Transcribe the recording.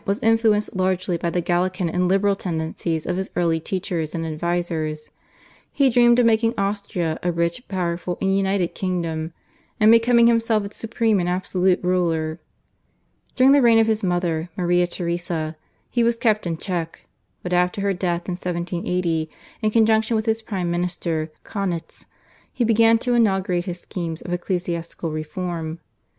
was influenced largely by the Gallican and liberal tendencies of his early teachers and advisers. He dreamed of making Austria a rich, powerful, and united kingdom, and becoming himself its supreme and absolute ruler. During the reign of his mother, Maria Theresa, he was kept in check, but after her death in 1780, in conjunction with his prime minister, Kaunitz, he began to inaugurate his schemes of ecclesiastical reform.